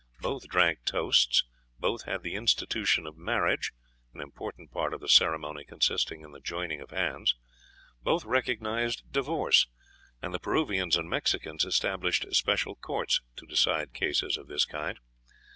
Both drank toasts. Both had the institution of marriage, an important part of the ceremony consisting in the joining of hands; both recognized divorce, and the Peruvians and Mexicans established special courts to decide cases of this kind.